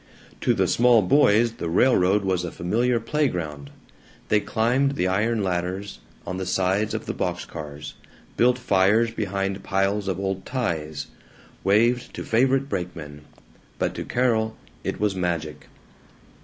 To the small boys the railroad was a familiar playground. They climbed the iron ladders on the sides of the box cars; built fires behind piles of old ties; waved to favorite brakemen. But to Carol it was magic.